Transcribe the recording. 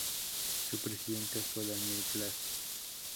Su presidente fue Daniel Glass.